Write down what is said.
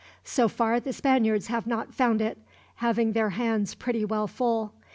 So far the Spaniards have not found it, having their hands pretty well full.